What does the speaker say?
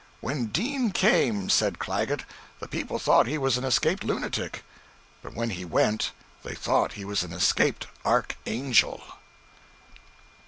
'When Dean came,' said Claggett, 'the people thought he was an escaped lunatic; but when he went, they thought he was an escaped archangel.'